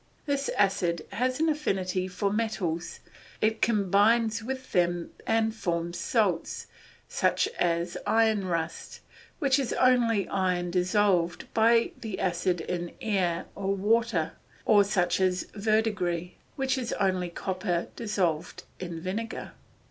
This acid has an affinity for metals, it combines with them and forms salts, such as iron rust, which is only iron dissolved by the acid in air or water, or such as verdegris, which is only copper dissolved in vinegar.